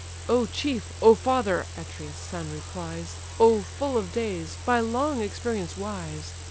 "O chief, O father! (Atreus' son replies) O full of days! by long experience wise!